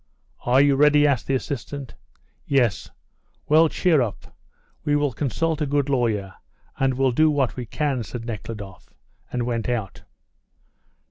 "Are you ready?" asked the assistant. "Yes. Well, cheer up. We will consult a good lawyer, and will do what we can," said Nekhludoff, and went out.